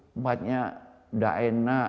tempatnya tidak enak